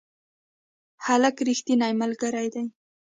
هلک رښتینی ملګری دی.